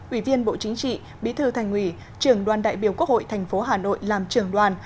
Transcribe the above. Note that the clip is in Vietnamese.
ủy viên bộ chính trị bí thư thành nghị trường đoàn đại biểu quốc hội tp hà nội làm trường đoàn